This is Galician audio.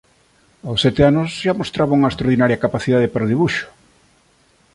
Aos sete anos xa mostraba unha extraordinaria capacidade para o debuxo.